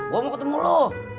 gue mau ketemu lo